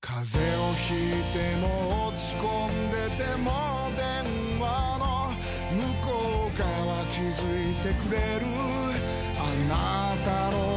風邪を引いても落ち込んでても電話の向こう側気付いてくれるあなたの声